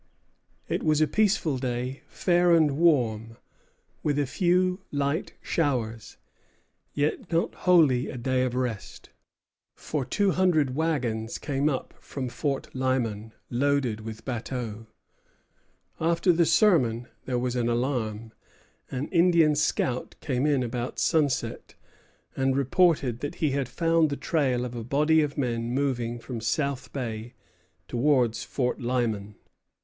It was a peaceful day, fair and warm, with a few light showers; yet not wholly a day of rest, for two hundred wagons came up from Fort Lyman, loaded with bateaux. After the sermon there was an alarm. An Indian scout came in about sunset, and reported that he had found the trail of a body of men moving from South Bay towards Fort Lyman.